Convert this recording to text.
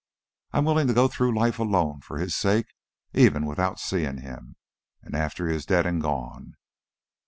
I am willing to go through life alone for his sake, even without seeing him, and after he is dead and gone.